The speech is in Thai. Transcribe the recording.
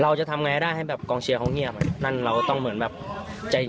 เราจะทำง่ายได้แบบให้กองเชียรเขาเงียบ๑๐๐นั่นเราก็ต้องเหมือนแบบใจ